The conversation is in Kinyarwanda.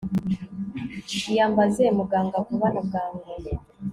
iyambaze muganga vuba na bwangu